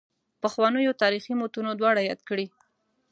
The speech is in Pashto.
پخوانیو تاریخي متونو دواړه یاد کړي.